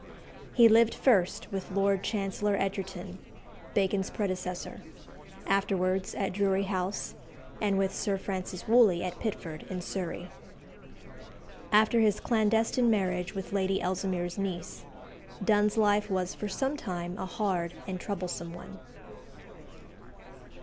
He lived first with Lord Chancellor Egerton, Bacon's predecessor, afterwards at Drury House and with Sir Francis Wooley at Pitford, in Surrey. After his clandestine marriage with Lady Ellesmere's niece, Donne's life was for some time a hard and troublesome one.